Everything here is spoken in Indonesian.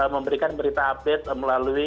memberikan berita update melalui